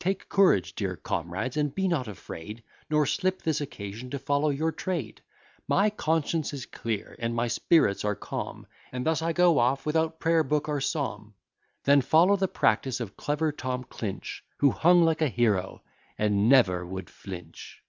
Take courage, dear comrades, and be not afraid, Nor slip this occasion to follow your trade; My conscience is clear, and my spirits are calm, And thus I go off, without prayer book or psalm; Then follow the practice of clever Tom Clinch, Who hung like a hero, and never would flinch.